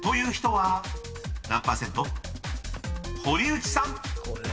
［堀内さん］